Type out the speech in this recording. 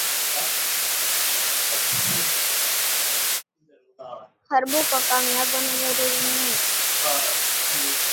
حربوں کا کامیاب ہونا ضروری نہیں